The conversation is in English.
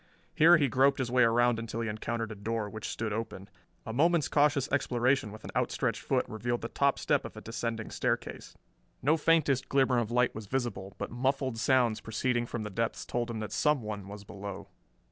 Here he groped his way around until he encountered a door, which stood open. A moment's cautious exploration with an outstretched foot revealed the top step of a descending staircase. No faintest glimmer of light was visible, but muffled sounds proceeding from the depths told him that someone was below.